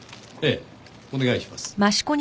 ええお願いします。